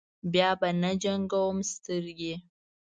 بیا به نه جنګوم سترګې.